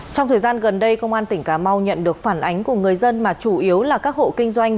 trong thời gian gần đây công an tỉnh cà mau nhận được phản ánh của người dân mà chủ yếu là các hộ kinh doanh